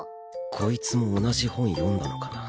こいつも同じ本読んだのかな？